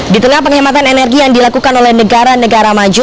di tengah penghematan energi yang dilakukan oleh negara negara maju